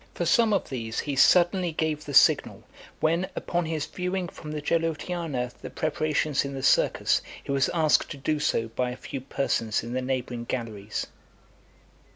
For some of these he suddenly gave the signal, when, upon his viewing from the Gelotiana the preparations in the Circus, he was asked to do so by a few persons in the neighbouring galleries.